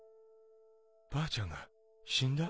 ばあちゃんが死んだ？